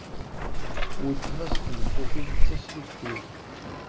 Weltma-s n tmeṭṭut-iw d taslift-iw.